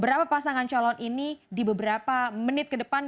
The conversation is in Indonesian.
berapa pasangan calon ini di beberapa menit ke depan